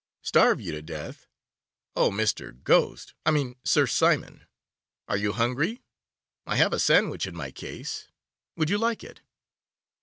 'Starve you to death? Oh, Mr. Ghost, I mean Sir Simon, are you hungry? I have a sandwich in my case. Would you like it?